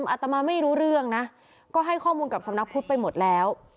อาตมาไม่รู้เรื่องนะก็ให้ข้อมูลกับสำนักพุทธไปหมดแล้ว